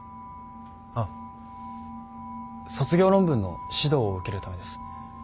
あっ卒業論文の指導を受けるためです。